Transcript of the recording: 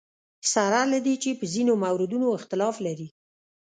سره له دې چې په ځینو موردونو اختلاف لري.